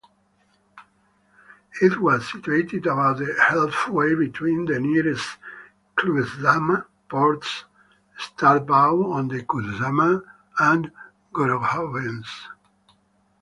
It was situated about halfway between the nearest Klyazma ports: Starodub-on-the-Klyazma and Gorokhovets.